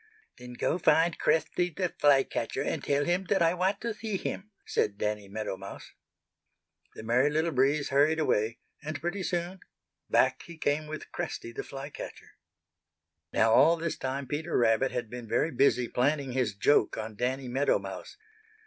"Then go find Cresty the Fly catcher and tell him that I want to see him," said Danny Meadow Mouse. The Merry Little Breeze hurried away, and pretty soon back he came with Cresty the Fly catcher. Now all this time Peter Rabbit had been very busy planning his joke on Danny Meadow Mouse.